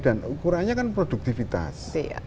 dan ukurannya kan produktivitas